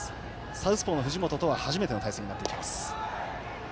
サウスポーの藤本とは初めての対戦になってきます。